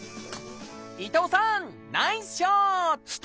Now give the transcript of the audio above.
伊藤さんナイスショット！